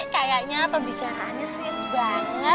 kayaknya pembicaraannya serius banget